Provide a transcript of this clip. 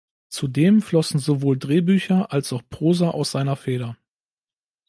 Zudem flossen sowohl Drehbücher als auch Prosa aus seiner Feder.